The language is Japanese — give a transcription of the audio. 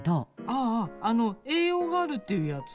ああ、あの栄養があるっていうやつ？